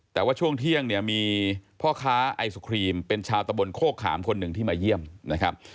แต่ว่าช่วงเที่ยงเนี่ยมีพ่อค้าไอศครีมเป็นชาวตะบนโคกขามคนหนึ่งที่มาเยี่ยมนะครับ